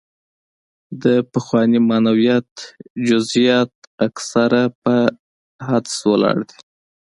د پخواني معنویت جزیات اکثره په حدس ولاړ دي.